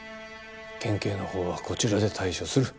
県警のほうはこちらで対処する。